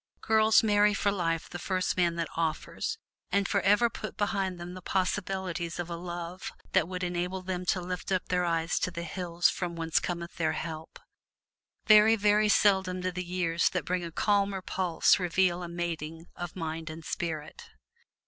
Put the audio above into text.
Girls marry for life the first man that offers, and forever put behind them the possibilities of a love that would enable them to lift up their eyes to the hills from whence cometh their help. Very, very seldom do the years that bring a calmer pulse reveal a mating of mind and spirit.